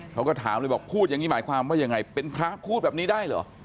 เขาก็ถามเลยบอกพูดอย่างนี้หมายความว่ายังไงเป็นพระพูดแบบนี้ได้เหรอ